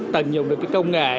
tận dụng được công nghệ